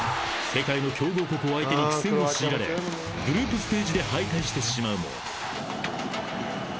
［世界の強豪国を相手に苦戦を強いられグループステージで敗退してしまうも］